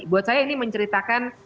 buat saya ini menceritakan